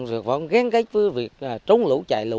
thì vẫn ghen gách với việc trống lũ chạy lũ